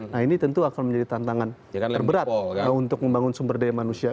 nah ini tentu akan menjadi tantangan terberat untuk membangun sumber daya manusia